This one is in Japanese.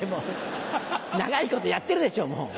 長いことやってるでしょうもう。